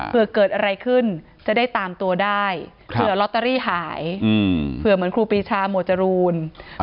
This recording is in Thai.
เผื่อเกิดอะไรขึ้นจะได้ตามตัวได้เผื่อลอตเตอรี่หายเผื่อเหมือนครูปีชาหมวดจรูน